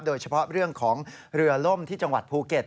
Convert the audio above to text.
โดยเฉพาะเรื่องของเรือล่มที่จังหวัดภูเก็ต